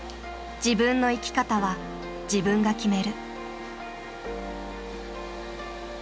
自分の生き方は自分が決める。